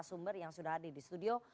cara sumber yang sudah ada di studio